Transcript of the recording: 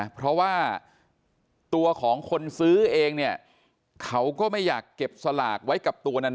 เพราะว่าตัวของคนซื้อเองเนี่ยเขาก็ไม่อยากเก็บสลากไว้กับตัวนั้น